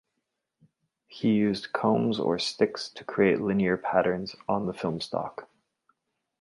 He used combs or sticks to create linear patterns on the film stock.